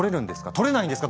取れないんですか？